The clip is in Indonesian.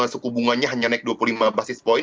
suku bunganya hanya naik dua puluh lima basis point